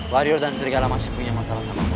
wario dan serigala masih punya masalah sama